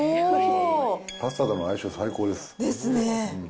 パスタとの相性、最高です。